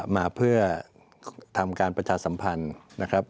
มาเพื่อทำการประชาสัมพันธ์นะครับ